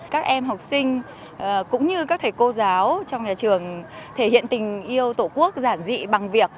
các em học sinh cũng như các thầy cô giáo trong nhà trường thể hiện tình yêu tổ quốc giản dị bằng việc